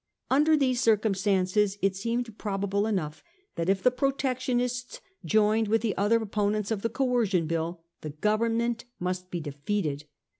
Under these circumstances, it seemed probable enough that if the Protectionists joined with the other opponents of the Coercion Bill, the Government must be defeated.